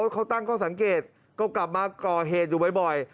เขาตั้งข้อสังเกตก็กลับมาก่อเหตุอยู่บ่อย